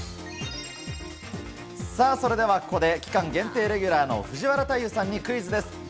それでは、ここで期間限定レギュラーの藤原大祐さんにクイズです。